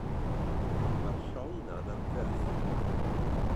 Mae'r llong 'na 'n anferth.